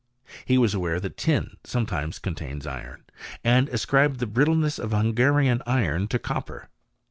He was aware that tin sometimes contains iron, and ascribed the brittleness of Hungarian iron to copper.